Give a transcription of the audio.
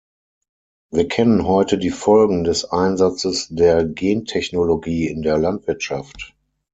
Wir kennen heute die Folgen des Einsatzes der Gentechnologie in der Landwirtschaft.